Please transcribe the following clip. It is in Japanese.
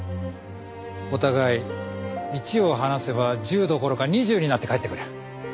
お互い１を話せば１０どころか２０になって返ってくる。